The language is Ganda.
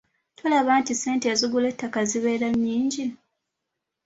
Tolaba nti ssente ezigula ettaka zibeera nnyingi?